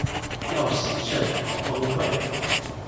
要洗腎好崩潰